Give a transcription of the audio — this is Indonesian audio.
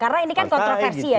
karena ini kan kontroversi ya